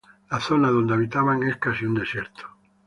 La zona donde habitaban es casi un desierto.